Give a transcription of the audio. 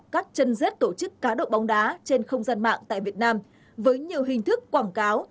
các chân dết tổ chức cá độ bóng đá trên không gian mạng tại việt nam với nhiều hình thức quảng cáo